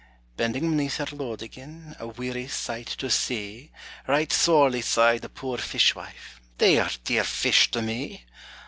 Bending beneath her load again, A weary sight to see; Right sorely sighed the poor fish wife, "They are dear fish to me!